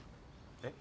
えっ？